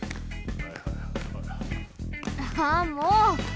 ああもう！